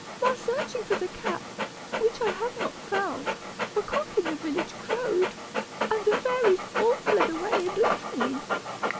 While searching for the cap, which I have not found, a cock in the village crowed, and the fairies all fled away and left me.